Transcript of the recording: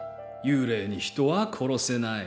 幽霊に人は殺せない